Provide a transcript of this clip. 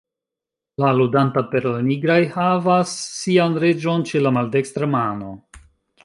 La ludanta per la nigraj havas sian reĝon ĉe la maldekstra mano.